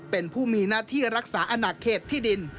เป็นผู้มีหน้าที่รักษาอนาเขตที่ดิน